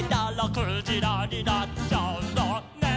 「くじらになっちゃうのね」